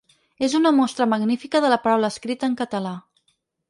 “És una mostra magnífica de la paraula escrita en català”.